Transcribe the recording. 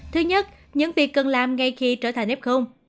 thứ nhất những việc cần làm ngay khi trở thành f